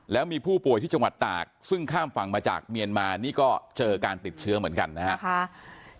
แล้วมีผู้ป่วยที่จังหวัดตากซึ่งข้ามฝั่งมาจากเมียนมานี่ก็เจอการติดเชื้อเหมือนกันนะครับ